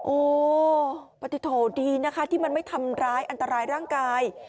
โอ้ปฏิโถดีนะคะที่มันไม่ทำร้ายอันตรายร่างกาย